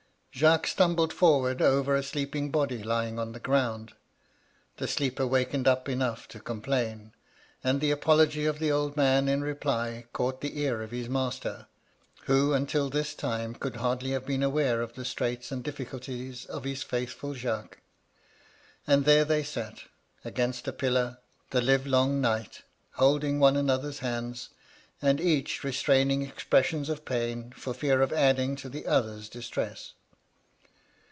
Jacques stumbled forwards over a sleeping body lying on the ground. The sleeper wakened up enough to complain ; and the apology of the old man in reply caught the ear of his master, who, until this time, could hardly have been aware of the straits and difficulties of his faithful Jacques. And there they sat, — against a pillar, the live long night, holding one another's hands, and each restrainingexpressions of pain, for fear of adding to the other's distress.